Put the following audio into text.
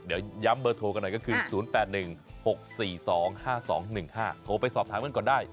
เดี๋ยวย้ำเบอร์โทรกันหน่อยก็คือ๐๘๑๖๔๒๕๒๑๕โทรไปสอบถามกันก่อนได้